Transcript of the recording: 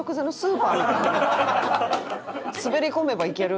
「滑り込めばいける」